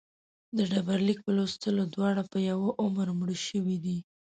د ډبرلیک په لوستلو دواړه په یوه عمر مړه شوي دي.